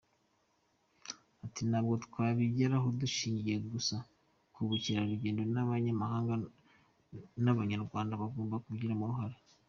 Ati “Ntabwo twabigeraho dushingiye gusa ku bakerarugendo b’abanyamahanga, n’Abanyarwanda bagomba kubigiramo uruhare.